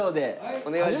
お願いします。